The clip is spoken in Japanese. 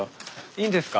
いいんですか？